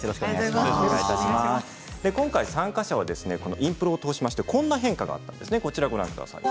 今回、参加者はインプロを通しましてこんな変化があったんです。